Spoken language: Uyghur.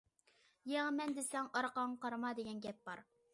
‹‹ يېڭىمەن دېسەڭ، ئارقاڭغا قارىما›› دېگەن گەپ بار.